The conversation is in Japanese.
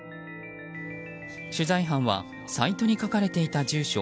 取材班はサイトに書かれていた住所